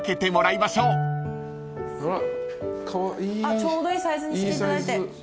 ちょうどいいサイズにしていただいて。